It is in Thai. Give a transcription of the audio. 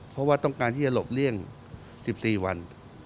เพราะว่าต้องการที่จะหลบเลี่ยง๑๔วัน